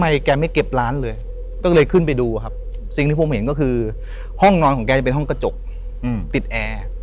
อีกเช้า